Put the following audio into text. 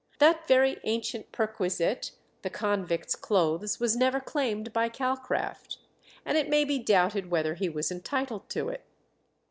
That very ancient perquisite the convict's clothes was never claimed by Calcraft, and it may be doubted whether he was entitled to it.